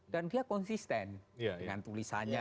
dan dia konsisten dengan tulisannya